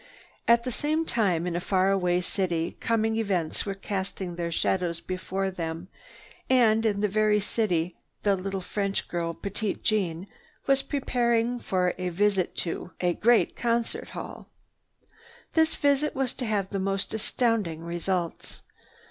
At the same time, in a far away city coming events were casting their shadows before them, and in that very city the little French girl Petite Jeanne was preparing for a visit to a great concert hall. This visit was to have the most astounding results.